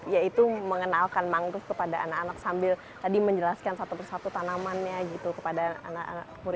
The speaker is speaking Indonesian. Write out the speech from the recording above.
ya itu mengenalkan mangrove kepada anak anak sambil tadi menjelaskan satu persatu tanamannya gitu kepada anak anak